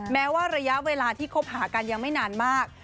แม้ว่าระยะเวลาที่คบหากันยังไม่นานมาก